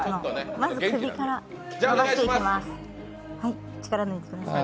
まず、首から流していきます